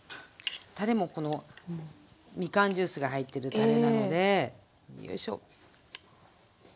たれもこのみかんジュースが入ってるたれなのでよいしょ。